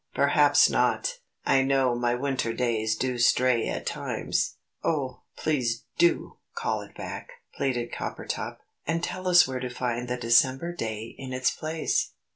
Perhaps not! I know my winter days do stray at times." "Oh, please DO call it back!" pleaded Coppertop. "And tell us where to find the December day in its place."